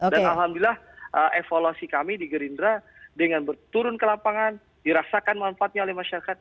dan alhamdulillah evolusi kami di gerindra dengan berturun ke lapangan dirasakan manfaatnya oleh masyarakat